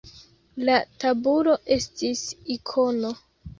La tabulo estis ikono.